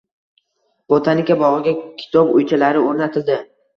Botanika bog‘iga «Kitob uychalari» o‘rnatildi